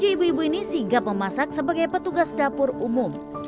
tujuh ibu ibu ini sigap memasak sebagai petugas dapur umum